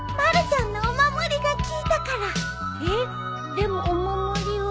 でもお守りは。